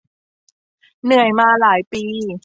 เหนื่อยมาหลายปี